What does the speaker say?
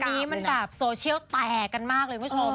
อันนี้มันแบบโซเชียลแตกกันมากเลยคุณผู้ชม